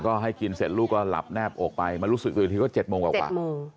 ก็ให้กินเสร็จลูกก็หลับแนบอกไปมารู้สึกตัวอีกทีก็๗โมงกว่า